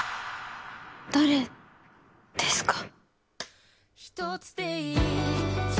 誰ですか。